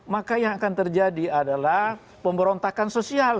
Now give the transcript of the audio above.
maka yang akan terjadi adalah pemberontakan sosial